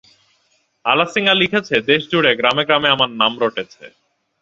আলাসিঙ্গা লিখেছে, দেশ জুড়ে গ্রামে গ্রামে আমার নাম রটেছে।